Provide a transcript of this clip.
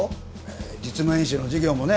実務演習の授業もね